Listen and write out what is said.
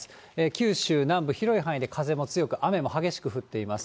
九州南部、広い範囲で風も強く、雨も激しく降っています。